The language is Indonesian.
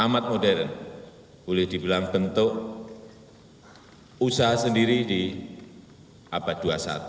amat modern boleh dibilang bentuk usaha sendiri di abad dua puluh satu